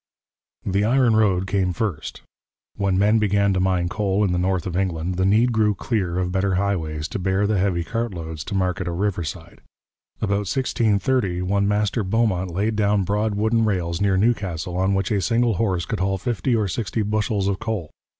The iron road came first. When men began to mine coal in the north of England, the need grew clear of better highways to bear the heavy cart loads to market or riverside. About 1630 one Master Beaumont laid down broad wooden rails near Newcastle, on which a single horse could haul fifty or sixty bushels of coal.